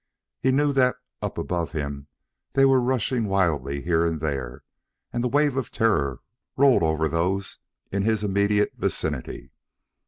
He knew that up above him they were rushing wildly here and there, and the wave of terror rolled over those in his immediate vicinity.